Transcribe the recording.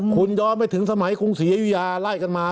ครูนยอมไปถึงสมัยฯรุยาล่ายกันมา